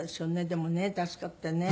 でもね助かってね。